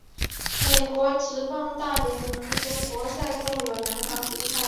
美国职棒大联盟中国赛共有两场比赛。